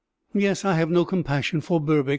"Yes I have no compassion for Berbix.